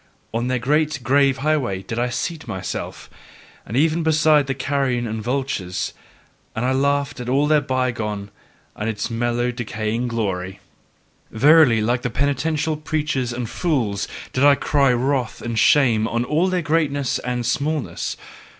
On their great grave highway did I seat myself, and even beside the carrion and vultures and I laughed at all their bygone and its mellow decaying glory. Verily, like penitential preachers and fools did I cry wrath and shame on all their greatness and smallness.